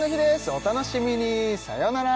お楽しみにさよなら